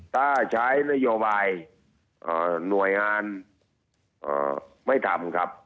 ถ้าใช้นโยบายหน่วยงานไม่ทำครับ